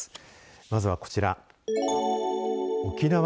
まずは、こちら。